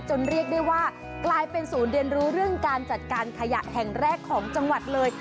เรียกได้ว่ากลายเป็นศูนย์เรียนรู้เรื่องการจัดการขยะแห่งแรกของจังหวัดเลย